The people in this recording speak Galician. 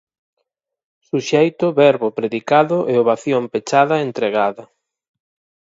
Suxeito, verbo, predicado e ovación pechada e entregada.